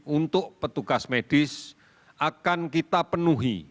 untuk petugas medis akan kita penuhi